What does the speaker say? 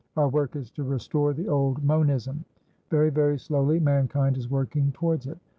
Our work is to restore the old monism. Very, very slowly, mankind is working towards it.